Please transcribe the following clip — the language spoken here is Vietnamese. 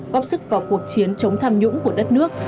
góp sức vào cuộc chiến chống tham nhũng của đất nước